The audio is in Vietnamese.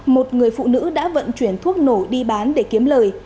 một người phụ nữ đã vận chuyển thuốc nổ đi bán để kiếm lời